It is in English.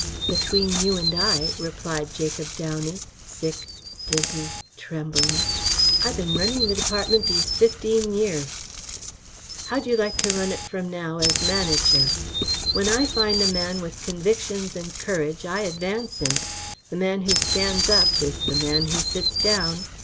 "Between you and I," replied Jacob Downey, sick, dizzy, trembling, "I been running the department these fifteen years." "How'd you like to run it from now as manager? When I find a man with convictions and courage I advance him. The man who stands up is the man to sit down.